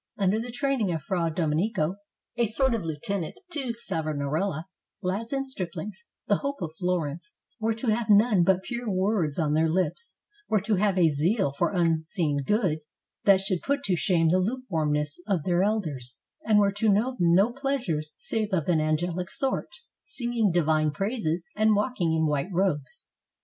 Under the training of Fra Domenico, a sort of lieutenant to Savonarola, lads and striplings, the hope of Florence, were to have none but pure words on their lips, were to have a zeal for Un seen Good that should put to shame the lukewarmness of their elders, and were to know no pleasures save of an angeHc sort, — singing divine praises and walking in white robes.